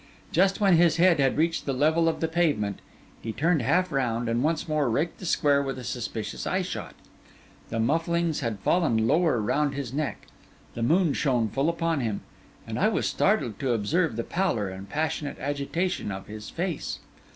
Just when his head had reached the level of the pavement, he turned half round and once more raked the square with a suspicious eyeshot. The mufflings had fallen lower round his neck; the moon shone full upon him; and I was startled to observe the pallor and passionate agitation of his face.